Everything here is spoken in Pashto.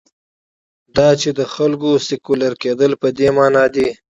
دا چې د وګړو سیکولر کېدل په دې معنا دي.